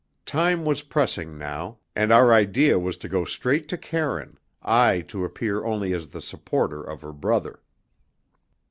Time was pressing now, and our idea was to go straight to Karine, I to appear only as the supporter of her brother.